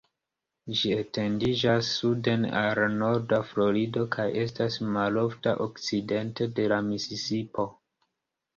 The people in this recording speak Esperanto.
Ĝi etendiĝas suden al norda Florido, kaj estas malofta okcidente de la Misisipo.